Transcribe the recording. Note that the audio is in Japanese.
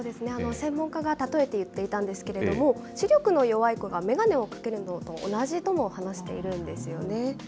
専門家が例えて言っていたんですけど、視力の弱い子が眼鏡をかけるのと同じとも話しているんですよね。